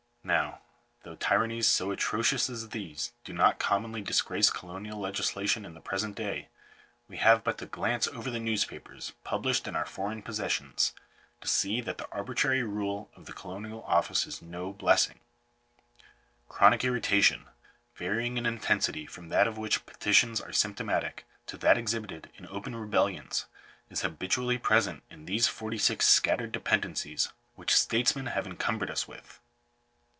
Now, though tyrannies so atrocious as these do not corn Digitized by VjOOQIC GOVERNMENT COLONIZATION. 365 monly disgrace colonial legislation in the present day, we have but to glance over the newspapers published in our foreign possessions, to see that the arbitrary rule of the Colonial Office is no blessing. Chronic irritation, varying in intensity from that of which petitions are symptomatic, to that exhibited in open rebellions, is habitually present in these forty six scattered dependencies which statesmen have encumbered us with.